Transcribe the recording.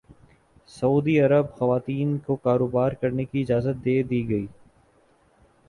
سعودی Arab خواتین کو کاروبار کرنے کی اجازت دے دی گئی